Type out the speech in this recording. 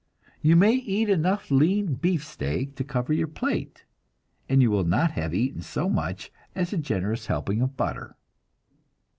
You may eat enough lean beefsteak to cover your plate, and you will not have eaten so much as a generous helping of butter.